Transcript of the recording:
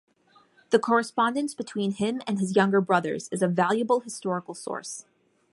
The correspondence between him and his younger brothers is a valuable historical source.